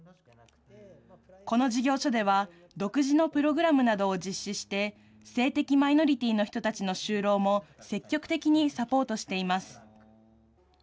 この事業所では、独自のプログラムなどを実施して、性的マイノリティーの人たちの就労も積極的にサポートしています。